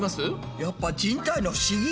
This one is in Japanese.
やっぱ「人体の不思議」。